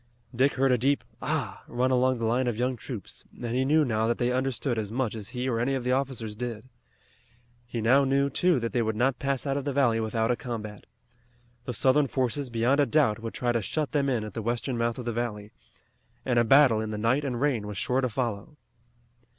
Dick heard a deep "Ah!" run along the line of young troops, and he knew now that they understood as much as he or any of the officers did. He now knew, too, that they would not pass out of the valley without a combat. The Southern forces, beyond a doubt, would try to shut them in at the western mouth of the valley, and a battle in the night and rain was sure to follow.